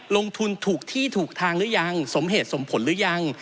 ลงทุนถูกที่ถูกทางหรือยังสมเหตุสมผลหรือยัง